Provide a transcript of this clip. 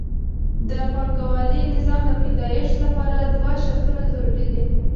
د پانګوالي نظام د پیدایښت لپاره دوه شرطونه ضروري دي